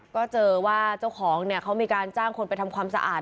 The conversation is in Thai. ก็เจอว่าเจ้าของเนี่ยเขามีการจ้างคนไปทำความสะอาด